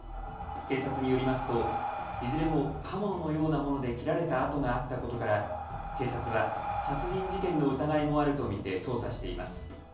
警察によりますといずれも刃物のようなもので切られた痕があったことから警察は殺人事件の疑いもあると見て捜査しています。